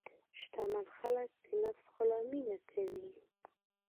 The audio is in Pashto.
شتمن خلک د نفس غلامي نه کوي.